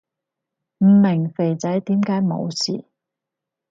唔明肥仔點解冇事